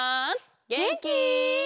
げんき？